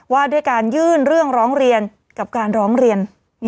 ว่าด้วยการยื่นเรื่องร้องเรียนกับการร้องเรียน